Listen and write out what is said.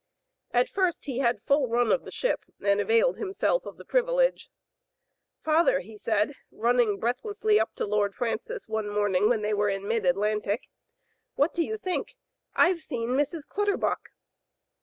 At first he had full run of the ship, and availed himself of the privilege. ''Father/* he said, running breathlessly up to Lord Francis one morning when they were in mid Atlantic, *Vhat do you think? IVe seen Mrs. Clutterbuck."